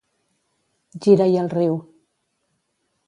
Gira-hi el riu.